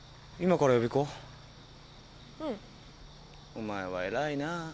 お前は偉いなあ。